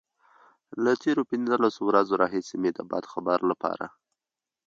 له تېرو پنځلسو ورځو راهيسې مې د بد خبر لپاره.